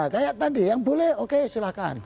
kayak tadi yang boleh oke silahkan